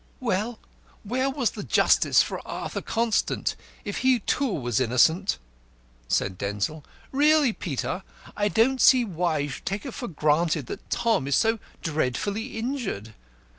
"Well, where was the justice for Arthur Constant if he, too, was innocent?" said Denzil. "Really, Peter, I don't see why you should take it for granted that Tom is so dreadfully injured.